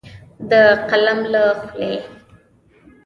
د قلم له خولې